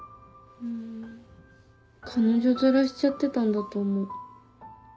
彼女面しちゃってたんだと思う。